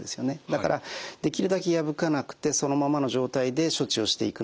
だからできるだけ破かなくてそのままの状態で処置をしていくのが望ましいと。